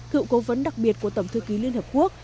cựu cố vấn đặc biệt của tổng thư ký liên hợp quốc